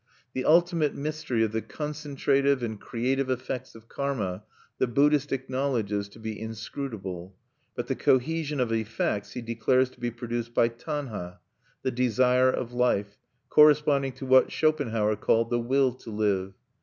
The ultimate mystery of the concentrative and creative effects of karma the Buddhist acknowledges to be inscrutable; but the cohesion of effects he declares to be produced by tanha, the desire of life, corresponding to what Schopenhauer called the "will" to live.